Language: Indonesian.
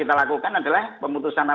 kita lakukan adalah pemutusan